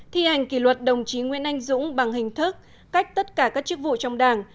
thi hành kỷ luật đồng chí nguyễn anh dũng bằng hình thức cách tất cả các chức vụ trong đảng